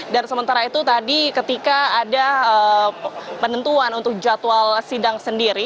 sementara itu tadi ketika ada penentuan untuk jadwal sidang sendiri